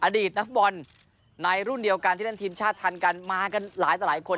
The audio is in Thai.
อดีตนักฟุตบอลในรุ่นเดียวกันที่เล่นทีมชาติทันกันมากันหลายต่อหลายคน